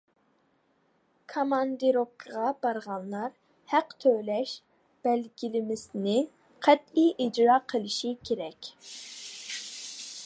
كاماندىروپكىغا بارغانلار ھەق تۆلەش بەلگىلىمىسىنى قەتئىي ئىجرا قىلىشى كېرەك.